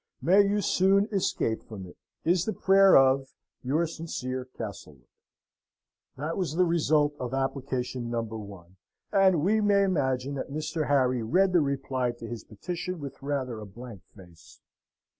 May you soon escape from it, is the prayer of your sincere CASTLEWOOD." This was the result of application number one: and we may imagine that Mr. Harry read the reply to his petition with rather a blank face.